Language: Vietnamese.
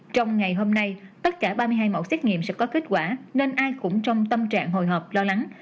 trong ngày hôm nay tất cả ba mươi hai mẫu xét nghiệm sẽ có kết quả nên ai cũng trong tâm trạng hồi hộp lo lắng